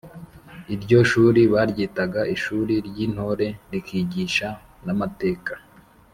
iryo shuli baryitaga ishuri ry'intore rikigisha n’amateka